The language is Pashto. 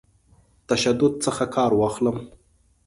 تشدد څخه کار واخلم.